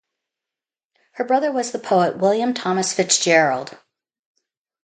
Her brother was the poet William Thomas Fitzgerald.